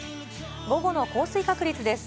午後の降水確率です。